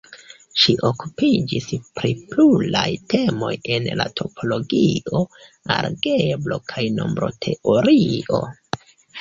Ŝi okupiĝis pri pluraj temoj en la topologio, algebro kaj nombroteorio.